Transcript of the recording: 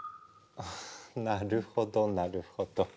なるほどなるほど。